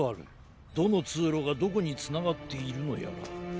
どのつうろがどこにつながっているのやら。